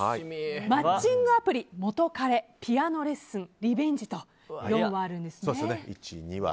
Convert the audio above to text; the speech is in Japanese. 「マッチングアプリ」「元カレ」「ピアノレッスン」「リベンジ」と４話あるんですね。